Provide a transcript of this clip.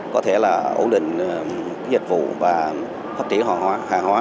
có thể là ổn định dịch vụ và phát triển hòa hóa